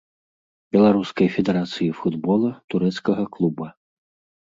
Беларускай федэрацыі футбола, турэцкага клуба.